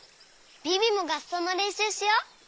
ビビもがっそうのれんしゅうしよう！